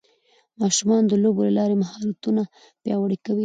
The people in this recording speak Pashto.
ماشومان د لوبو له لارې مهارتونه پیاوړي کوي